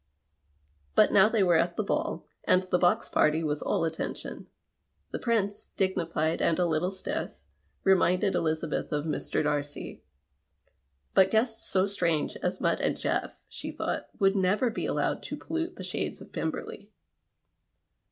But now they were at the ball, and the box party was all attention. The Prince, dignified and a little stiff, reminded Eliziibeth of Mr. Darcy. But guests so strange as Mutt and Jeff, she thought, would never be allowed to pollute the shades of Pemberley.